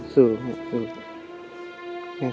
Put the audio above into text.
สูงสูง